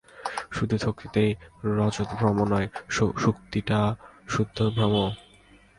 শুধু শুক্তিতে রজতভ্রম নয়, শুক্তিটা-সুদ্ধই ভ্রম?